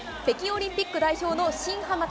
北京オリンピック代表の新濱